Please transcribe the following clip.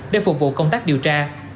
để phục vụ công tác điều tra